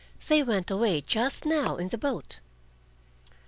"They went away just now in the boat."